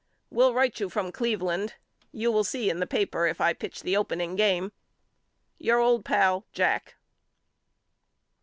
Will write you from Cleveland. You will see in the paper if I pitch the opening game. Your old pal, JACK.